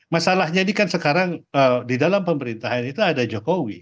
masalahnya ini kan sekarang di dalam pemerintahan itu ada jokowi